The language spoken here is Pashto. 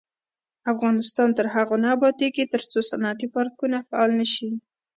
افغانستان تر هغو نه ابادیږي، ترڅو صنعتي پارکونه فعال نشي.